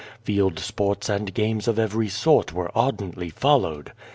Field sports and games of every sort were ardently followed.